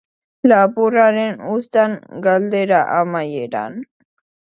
Lapurraren uztan, galdera amaieran.